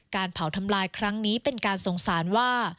การเผาทำลายครั้งนี้เป็นการสงสารว่า